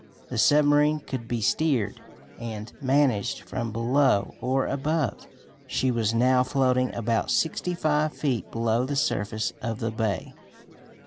The submarine could be steered and managed from below or above. She was now floating about sixty five feet below the surface of the bay.